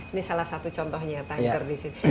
ini salah satu contohnya tanker disini